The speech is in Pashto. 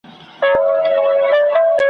د ترهکي او امین کانه در ياد کړه